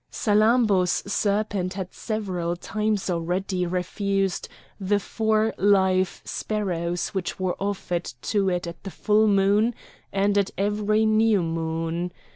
Salammbô's serpent had several times already refused the four live sparrows which were offered to it at the full moon and at every new moon.